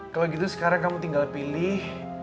kalau gitu sekarang kamu tinggal pilih